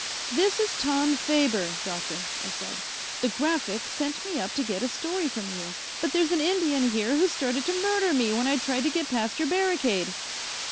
"This is Tom Faber, Doctor," I said. "The Graphic sent me up to get a story from you, but there's an Indian here who started to murder me when I tried to get past your barricade."